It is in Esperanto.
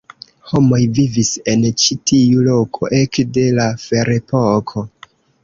Homoj vivis en ĉi tiu loko ekde la ferepoko.